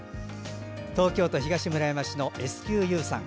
東京都東村山市のｓｑｕさん。